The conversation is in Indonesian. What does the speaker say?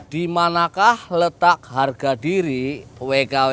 dimanakah letak harga diri wk wk wk